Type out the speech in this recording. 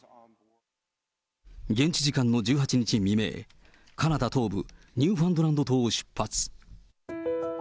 現地時間の１８日未明、カナダ東部ニューファンドランド島を出発。